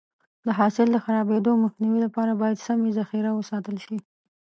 د حاصل د خرابېدو مخنیوي لپاره باید سمې ذخیره وساتل شي.